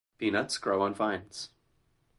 Peanuts grow on vines.